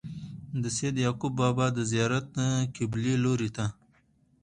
د سيد يعقوب بابا د زيارت قبلې لوري ته